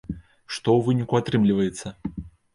Што ў выніку атрымліваецца?